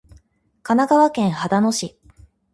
神奈川県秦野市